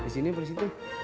di sini apa di situ